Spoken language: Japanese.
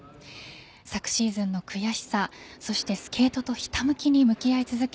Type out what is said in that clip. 昨シーズンの悔しさそしてスケートとひたむきに向き合い続け